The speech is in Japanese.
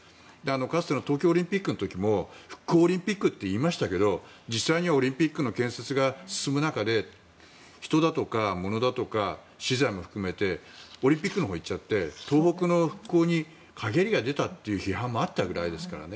かつての東京オリンピックの時も復興オリンピックって言いましたけど実際にはオリンピックの建設が進む中で人だとか物だとか資材も含めてオリンピックのほうへ行っちゃって、東北の復興に陰りが出たという批判もあったぐらいですからね。